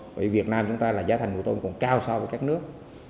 vì việt nam chúng ta là giá thành của tôm còn cao so với các nước